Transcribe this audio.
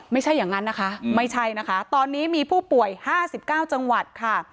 ไม่ใช่อย่างนั้นนะคะไม่ใช่นะคะตอนนี้มีผู้ป่วย๕๙จังหวัดค่ะ